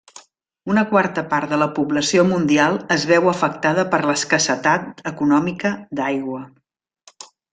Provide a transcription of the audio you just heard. Una quarta part de la població mundial es veu afectada per l'escassetat econòmica d'aigua.